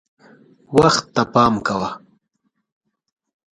وخت ته پام کوه .